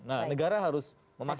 nah negara harus memaksa